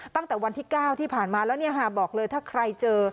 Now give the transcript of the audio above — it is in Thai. ตั้งแต่วันที่๙ที่ผ่านมาแล้วบอกเลยถ้าใครเจอ